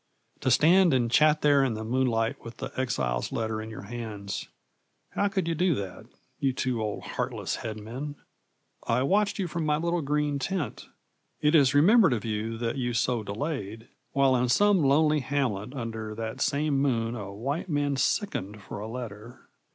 To stand and chat there in the moonlight with the exile's letter in your hands how could you do that, you two old heartless headmen? I watched you from my little green tent. It is remembered of you that you so delayed, while in some lonely hamlet under that same moon a white man sickened for a letter.